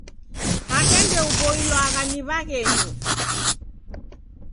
Hata ndeuboilwagha ni w'aghenyu!